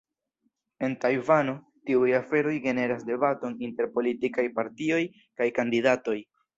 En Tajvano, tiuj aferoj generas debaton inter politikaj partioj kaj kandidatoj.